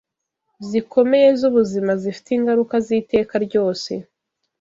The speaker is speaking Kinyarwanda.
zikomeye z’ubuzima zifite ingaruka z’iteka ryose